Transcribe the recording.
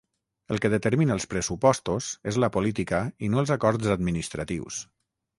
El que determina els pressupostos és la política i no els acords administratius.